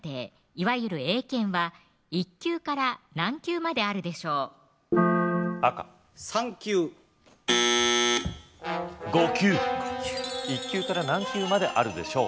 いわゆる英検は１級から何級まであるでしょう赤３級５級１級から何級まであるでしょう